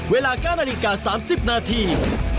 เวลา๙นาฬิกา๓๐นาที